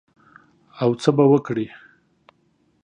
او څه به وکړې؟